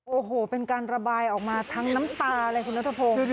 โอ้โหเป็นการระบายออกมาทั้งน้ำตาเลยคุณนัทพงศ์